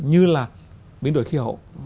như là biến đổi khí hậu